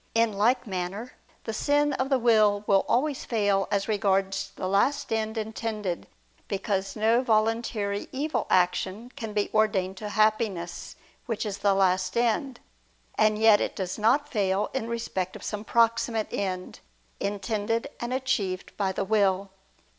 In like manner, the sin of the will always fails as regards the last end intended, because no voluntary evil action can be ordained to happiness, which is the last end: and yet it does not fail in respect of some proximate end: intended and achieved by the will.